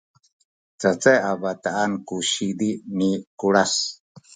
cacay a bataan ku sizi ni Kulas